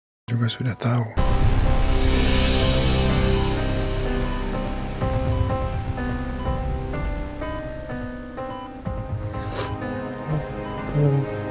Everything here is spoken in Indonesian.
kamu harus berdikasir hati hati